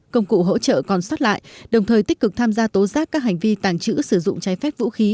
công cụ hỗ trợ còn xót lại đồng thời tích cực tham gia tố giác các hành vi tàng trữ sử dụng trái phép vũ khí